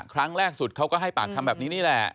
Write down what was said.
ครั้งแรกสุดเขาก็ให้ปากคำแบบนี้นี่แหละ